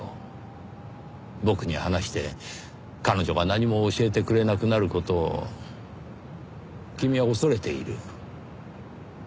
僕に話して彼女が何も教えてくれなくなる事を君は恐れている。